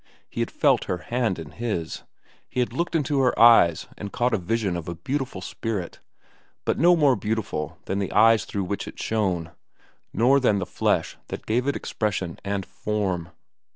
He had felt her hand in his, he had looked into her eyes and caught a vision of a beautiful spirit;—but no more beautiful than the eyes through which it shone, nor than the flesh that gave it expression and form.